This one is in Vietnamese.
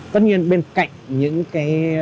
tất nhiên bên cạnh những cái